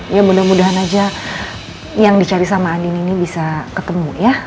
iya mudah mudahan aja yang dicari sama andi nini bisa ketemu ya